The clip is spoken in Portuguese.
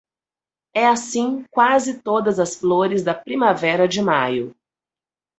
É assim quase todas as flores da primavera de maio.